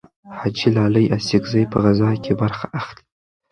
حاجي لالي اڅکزی په غزاکې برخه اخلي.